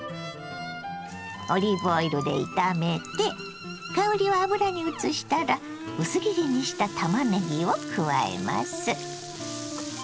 オリーブオイルで炒めて香りを油にうつしたら薄切りにしたたまねぎを加えます。